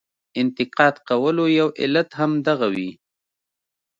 انتقاد کولو یو علت هم دغه وي.